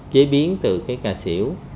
chế biến từ cà xỉu